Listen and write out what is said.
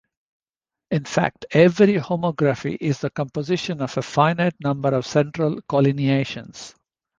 In fact, every homography is the composition of a finite number of central collineations.